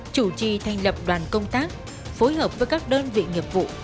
chủ trì thành lập đoàn công tác phối hợp với các đơn vị nghiệp vụ